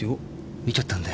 見ちゃったんだよ。